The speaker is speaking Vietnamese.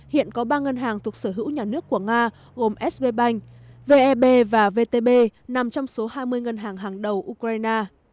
hiện có ba ngân hàng thuộc sở hữu nhà nước của nga gồm sg banh veb và vtb nằm trong số hai mươi ngân hàng hàng đầu ukraine